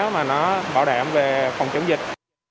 mà nó bảo đảm về phòng chống dịch